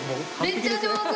めっちゃ上手！